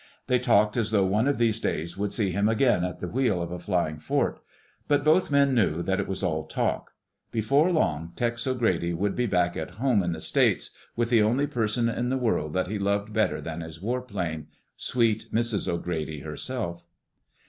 They talked as though one of these days would see him again at the wheel of a flying fort. But both men knew that it was all talk. Before long Tex O'Grady would be back at home in the States with the only person in the world that he loved better than his warplane—sweet Mrs. O'Grady herself.